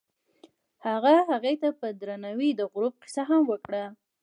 هغه هغې ته په درناوي د غروب کیسه هم وکړه.